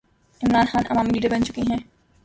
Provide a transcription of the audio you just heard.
عمران خان عوامی لیڈر بن چکے ہیں۔